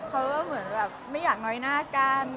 เหมือนแบบไม่อยากน้อยหน้ากัน